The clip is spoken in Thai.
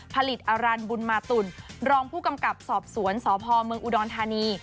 ผลิตอรันบุญมาตุลรองผู้กำกับสอบสวนสพเมืองอุดรธานี